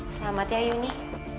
selamat ya iayuni